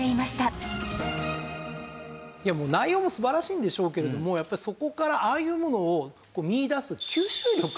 もう内容も素晴らしいんでしょうけれどもやっぱりそこからああいうものを見いだす吸収力。